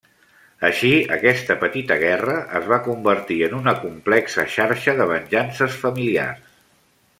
Així, aquesta petita guerra es va convertir en una complexa xarxa de venjances familiars.